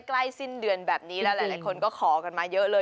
สิ้นเดือนแบบนี้แล้วหลายคนก็ขอกันมาเยอะเลย